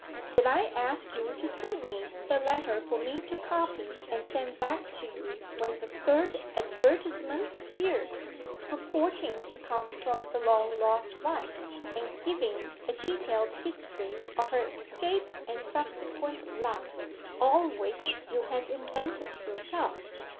Did I ask you to send me the letter for me to copy and send back to you when the third advertisement appeared purporting to come from the long lost wife, and giving a detailed history of her escape and subsequent life all which you had invented yourself?